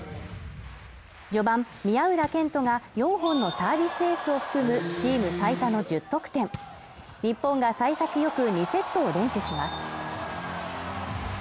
序盤宮浦健人が４本のサービスエースを含むチーム最多の１０得点日本がさい先よく２セットを連取します